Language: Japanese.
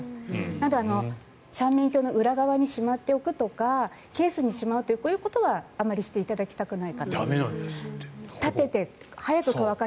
なので、三面鏡の裏側にしまっておくとかケースにしまうというこういうことはあまりしていただきたくない。